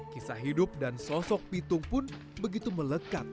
kisah hidup dan sosok pitung pun begitu melekat